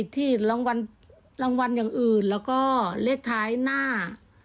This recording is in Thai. ที่รางวัลอย่างอื่นแล้วก็เลขท้ายหน้า